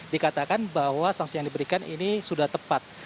dikatakan bahwa sanksi yang diberikan ini sudah tepat